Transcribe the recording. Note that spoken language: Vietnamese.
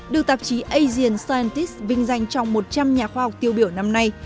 được tạp chí asian centis vinh danh trong một trăm linh nhà khoa học tiêu biểu năm nay